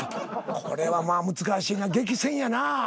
これは難しいな激戦やな。